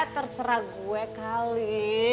terserah gue kali